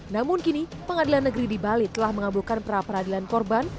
namun kini pengadilan negeri di bali telah mengabulkan pra peradilan korban